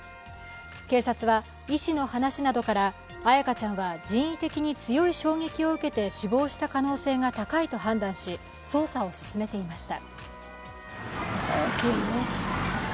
警察は医師の話などから彩花ちゃんは人為的に強い衝撃を受けて死亡した可能性が高いと判断し、捜査を進めていました。